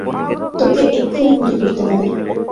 তোকে এক্ষুনি গুলি করতে পারি।